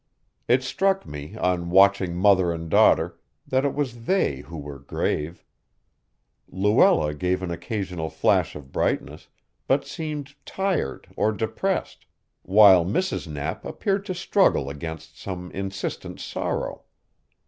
It struck me, on watching mother and daughter, that it was they who were grave. Luella gave an occasional flash of brightness, but seemed tired or depressed, while Mrs. Knapp appeared to struggle against some insistent sorrow.